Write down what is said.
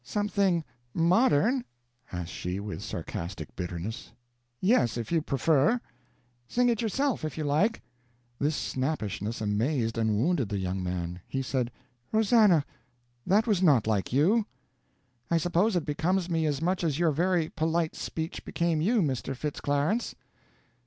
"Something modern?" asked she, with sarcastic bitterness. "Yes, if you prefer." "Sing it yourself, if you like!" This snappishness amazed and wounded the young man. He said: "Rosannah, that was not like you." "I suppose it becomes me as much as your very polite speech became you, Mr. Fitz Clarence."